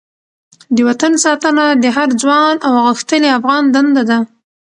د وطن ساتنه د هر ځوان او غښتلې افغان دنده ده.